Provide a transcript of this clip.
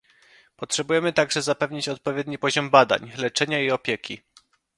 Potrzebujemy także zapewnić odpowiedni poziom badań, leczenia i opieki